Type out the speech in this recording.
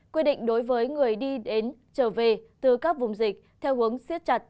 quy định đối với người đi đến trở về từ các vùng dịch theo hướng siết chặt